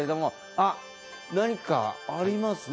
あっ何かありますね